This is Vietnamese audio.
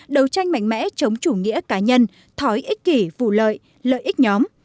đấu tranh mạnh mẽ chống chủ nghĩa cá nhân thói ích kỷ vụ lợi lợi ích nhóm